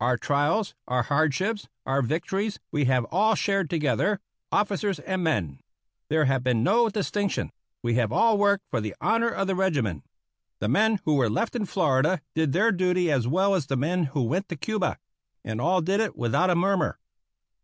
Our trials, our hardships, our victories, we have all shared together, officers and men. There has been no distinction; we have all worked for the honor of the regiment. The men who were left in Florida did their duty as well as the men who went to Cuba, and all did it without a murmur.